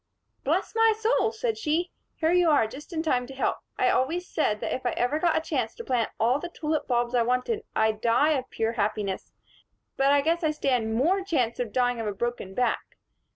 "Bless my soul!" said she, "here you are just in time to help. I always said that if ever I got a chance to plant all the tulip bulbs I wanted, I'd die of pure happiness; but I guess I stand more chance of dying of a broken back.